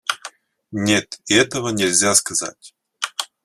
Нет, этого нельзя сказать.